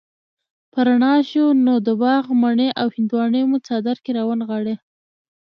چې رڼا شوه نو د باغ مڼې او هندواڼې مو څادر کي را ونغاړلې